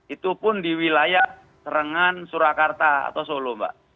itu pun di wilayah serengan surakarta atau solo mbak